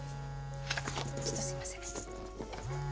ちょっとすいません。